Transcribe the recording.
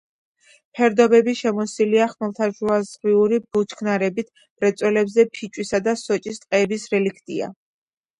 ფერდობები შემოსილია ხმელთაშუაზღვიური ბუჩქნარებით, მწვერვალებზე ფიჭვისა და სოჭის ტყეების რელიქტია.